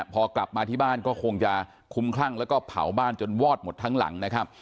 พอกลับมาที่บ้านก็คงจะคุ้มคลั่งแล้วก็เผาบ้านจนวอดหมดทั้งหลังนะครับ